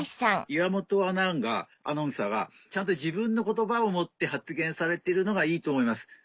岩本アナウンサーがちゃんと自分の言葉を持って発言されているのがいいと思います。